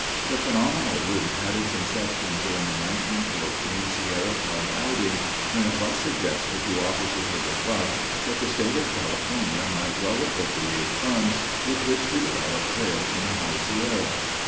The phenomenal route had its inception during the 1914 Sierra Club Outing, when it was suggested to officers of the club that the State of California might well appropriate funds with which to develop trails in the High Sierra.